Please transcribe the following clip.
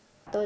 có thể nói